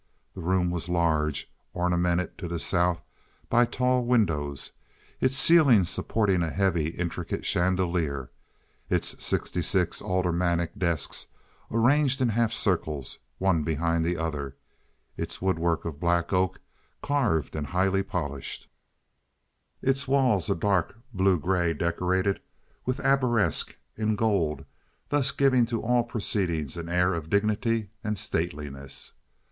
The room was large, ornamented to the south by tall windows, its ceiling supporting a heavy, intricate chandelier, its sixty six aldermanic desks arranged in half circles, one behind the other; its woodwork of black oak carved and highly polished; its walls a dark blue gray decorated with arabesques in gold—thus giving to all proceedings an air of dignity and stateliness.